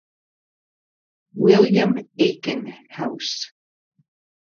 William Aiken House.